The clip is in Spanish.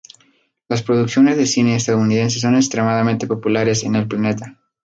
Las producciones de cine estadounidenses son extremadamente populares en el planeta.